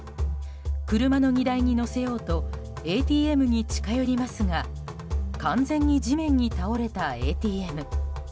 車の荷台に載せようとＡＴＭに近寄りますが完全に地面に倒れたＡＴＭ。